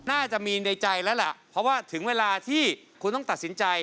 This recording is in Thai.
น่าจะมีในใจแล้วล่ะเพราะว่าถึงเวลาที่คุณต้องตัดสินใจ